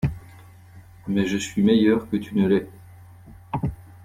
Mais je suis meilleure que tu ne l'es.